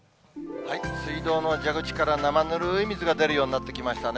水道の蛇口からなまぬるい水が出るようになってきましたね。